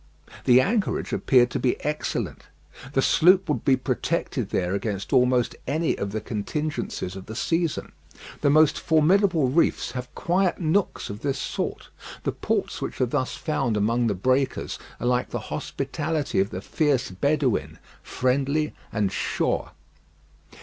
The anchorage appeared to be excellent. The sloop would be protected there against almost any of the contingencies of the season. The most formidable reefs have quiet nooks of this sort. The ports which are thus found among the breakers are like the hospitality of the fierce Bedouin friendly and sure.